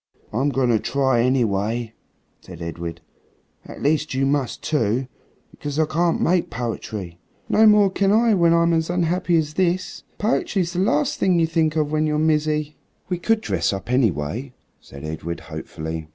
"I'm going to try, anyway," said Edred, "at least you must too. Because I can't make poetry." "No more can I when I'm as unhappy as this. Poetry's the last thing you think of when you're mizzy." "We could dress up, anyway," said Edred hopefully.